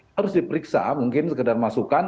harus diperiksa mungkin sekedar masukan